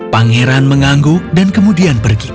pangeran mengangguk dan kemudian pergi